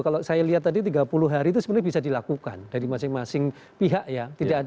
kalau saya lihat tadi tiga puluh hari itu sebenarnya bisa dilakukan dari masing masing pihak ya